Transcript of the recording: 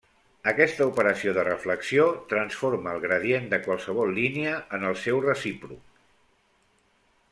Aquesta operació de reflexió transforma el gradient de qualsevol línia en el seu recíproc.